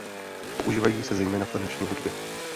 Používají se zejména v taneční hudbě.